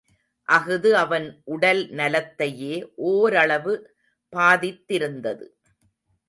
அஃது அவன் உடல் நலத்தையே ஓரளவு பாதித்திருந்தது.